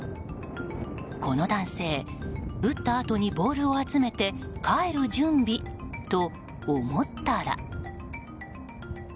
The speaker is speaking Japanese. この男性、打ったあとにボールを集めて帰る準備と思ったら。